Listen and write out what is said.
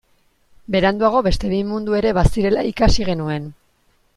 Beranduago beste bi mundu ere bazirela ikasi genuen.